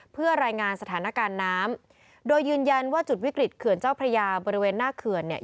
เพื่อรายงานสถานการณ์น้ำโดยยืนยันว่าจุดวิกฤตเขื่อนเจ้าพระยาบริเวณหน้าเขื่อนเนี่ย